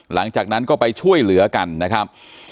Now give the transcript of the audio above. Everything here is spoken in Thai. หลังจากนั้นก็ไปช่วยเหลือกันนะครับ